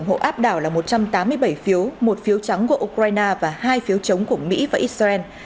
nghị quyết được áp đảo là một trăm tám mươi bảy phiếu một phiếu trắng của ukraine và hai phiếu chống của mỹ và israel